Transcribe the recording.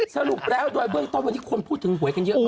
สรุปแล้วตอนวันที่วันนี้คนพูดถึงหวยกันเยอะมาก